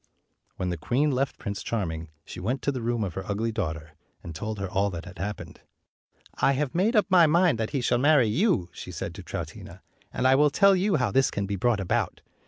When the queen left Prince Charming, she went to the room of her ugly daughter, and told her all that had happened. "I have made up my mind that he shall marry you," she said to Troutina; "and I will tell you how this can be brought about.